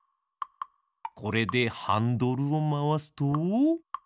これでハンドルをまわすと。